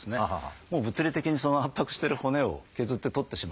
物理的に圧迫してる骨を削って取ってしまう。